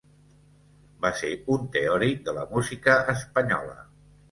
Va ser un teòric de la música espanyola.